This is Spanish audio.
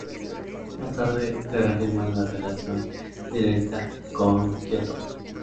Más tarde se reafirmó la relación directa con Giotto.